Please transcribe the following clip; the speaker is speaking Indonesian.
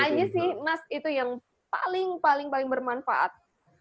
apa aja sih mas itu yang paling paling bermanfaat